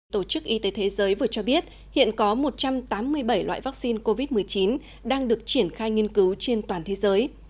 tổ chức y tế thế giới vừa cho biết hiện có một trăm tám mươi bảy loại vaccine covid một mươi chín đang được triển khai nghiên cứu trên toàn thế giới